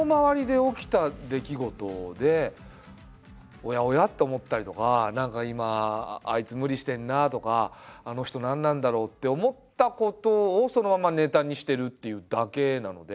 おやおや？と思ったりとか何か今あいつ無理してるなとかあの人何なんだろうって思ったことをそのままネタにしてるというだけなので。